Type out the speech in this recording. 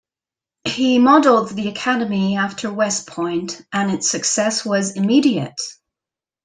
He modeled the academy after West Point and its success was immediate.